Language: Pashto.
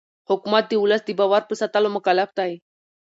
حکومت د ولس د باور په ساتلو مکلف دی